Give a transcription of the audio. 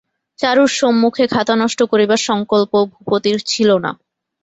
চারুর সম্মুখে খাতা নষ্ট করিবার সংকল্প ভূপতির ছিল না।